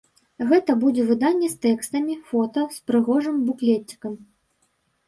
Гэта будзе выданне з тэкстамі, фота, з прыгожым буклецікам.